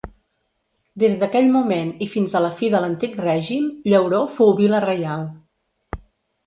Des d'aquell moment i fins a la fi de l'Antic règim, Llauró fou vila reial.